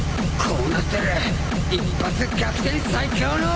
こうなったら一発逆転最強の。